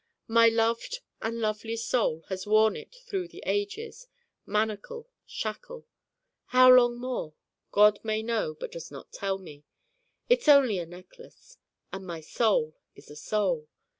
My loved and lovely Soul has worn it through the ages: manacle, shackle. How long more God may know but does not tell me. It's only a Necklace. And my Soul is a Soul!